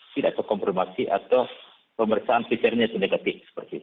tidak terkompromisi atau pemeriksaan pikirnya negatif